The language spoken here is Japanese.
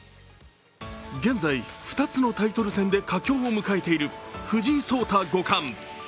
現在、２つのタイトル戦で佳境を迎えている藤井聡太五冠。